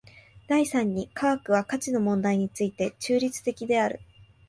第三に科学は価値の問題について中立的である。